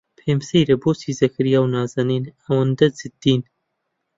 پێم سەیرە بۆچی زەکەریا و نازەنین ئەوەندە جددین.